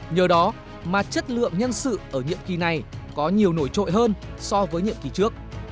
nhờ đó mà chất lượng nhân sự ở nhiệm kỳ này có nhiều nổi trội hơn so với nhiệm kỳ trước